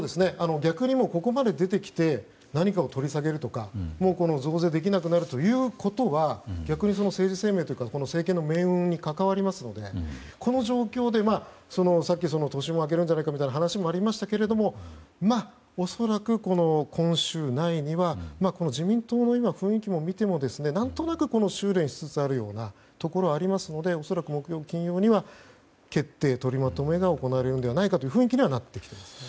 逆にここまで出てきて何かを取り下げるとか増税ができなくなるということは逆に政治生命というか政権の命運に関わりますのでこの状況で年も明けるんじゃないかという話もありましたけれども、恐らく今週内には自民党の雰囲気を見ても何となく収れんしつつあるようなところがありますので恐らく木曜、金曜には決定、取りまとめが行われるのではないかという雰囲気にはなってきている。